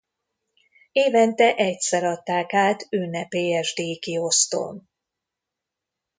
Évente egyszer adták át ünnepélyes díjkiosztón.